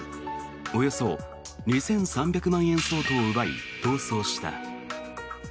およそ２３００万円相当を奪い逃走した。